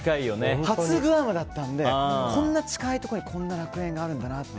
初グアムだったのでこんな近いところにこんな楽園があるんだなと。